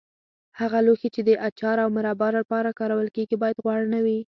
هغه لوښي چې د اچار او مربا لپاره کارول کېږي باید غوړ نه وي.